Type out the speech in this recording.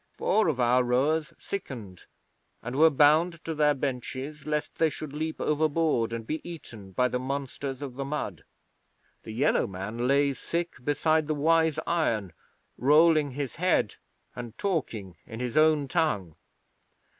Four of our rowers sickened, and were bound to their benches, lest they should leap overboard and be eaten by the monsters of the mud. The Yellow Man lay sick beside the Wise Iron, rolling his head and talking in his own tongue.